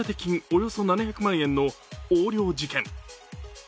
およそ７００万円の横領事件。